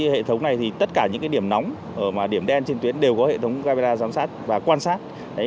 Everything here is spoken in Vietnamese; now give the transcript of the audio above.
hệ thống này thì tất cả những điểm nóng mà điểm đen trên tuyến đều có hệ thống camera giám sát và quan sát